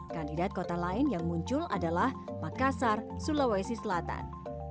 kandidat kota lain yang muncul adalah makassar sulawesi selatan